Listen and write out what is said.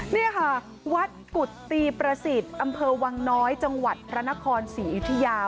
นี่ค่ะวัดกุฏตีประสิทธิ์อำเภอวังน้อยจังหวัดพระนครศรีอยุธยา